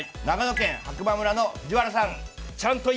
長野県白馬村の藤原さん。